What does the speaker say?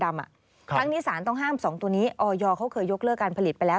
ครั้งนี้สารต้องห้าม๒ตัวนี้ออยเขาเคยยกเลิกการผลิตไปแล้ว